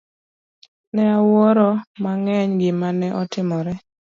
Ne awuoro mang'eny gima ne otimore.